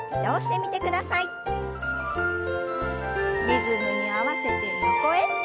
リズムに合わせて横へ。